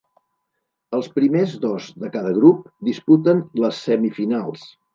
Els primers dos de cada grup disputen les semifinals.